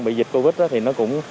bị dịch covid thì nó cũng